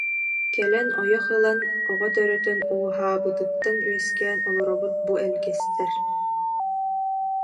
«Кэлэн ойох ылан, оҕо төрөтөн ууһаабытыттан үөскээн олоробут бу элгэстэр»